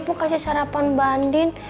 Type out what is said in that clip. pu kasih sarapan bandin